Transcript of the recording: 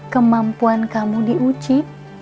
kemampuan kamu diuji